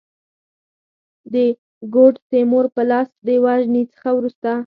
د ګوډ تیمور په لاس د وژني څخه وروسته.